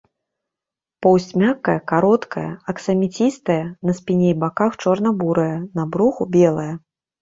Поўсць мяккая, кароткая, аксаміцістая, на спіне і баках чорна-бурая, на бруху белая.